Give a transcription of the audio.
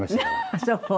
あっそう。